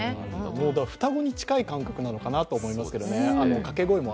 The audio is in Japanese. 双子に近い感覚なのかなと思いますね。